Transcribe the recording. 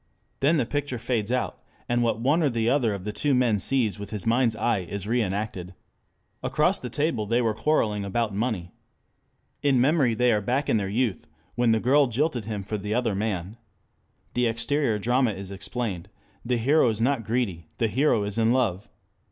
Then the picture fades out and what one or the other of the two men sees with his mind's eye is reënacted. Across the table they were quarreling about money. In memory they are back in their youth when the girl jilted him for the other man. The exterior drama is explained: the hero is not greedy; the hero is in love.